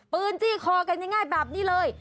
จี้คอกันง่ายแบบนี้เลย